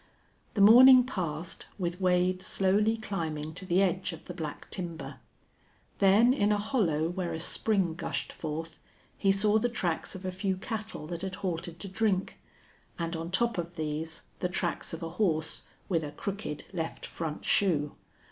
The morning passed, with Wade slowly climbing to the edge of the black timber. Then, in a hollow where a spring gushed forth, he saw the tracks of a few cattle that had halted to drink, and on top of these the tracks of a horse with a crooked left front shoe.